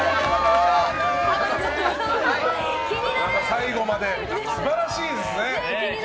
最後まで素晴らしいですね！